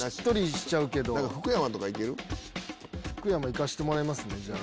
いかしてもらいますねじゃあ。